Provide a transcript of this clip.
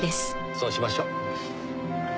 そうしましょう。